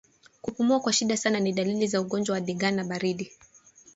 Kupumua kwa shida sana ni dalili za ugonjwa wa ndigana baridi